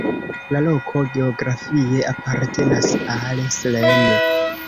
La loko geografie apartenas al Srem.